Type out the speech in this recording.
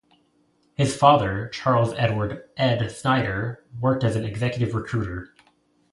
His father, Charles Edward "Ed" Snyder, worked as an executive recruiter.